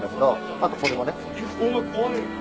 あとこれもね。